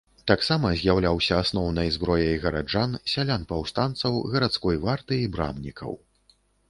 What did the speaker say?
Таксама з'яўляўся асноўнай зброяй гараджан, сялян-паўстанцаў, гарадской варты і брамнікаў.